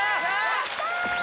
やった！